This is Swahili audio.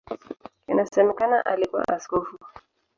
Inasemekana alikuwa askofu.